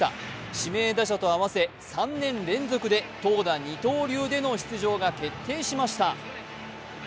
指名打者と合わせ、３年連続で投打二刀流での出場が決定しました。